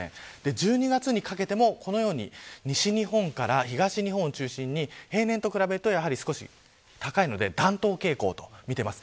１２月にかけてもこのように西日本から東日本を中心に平年と比べると少し高いので暖冬傾向と見ています。